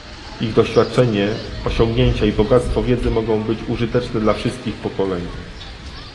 Ich doświadczenie, osiągnięcia i bogactwo wiedzy mogą być użyteczne dla wszystkich pokoleń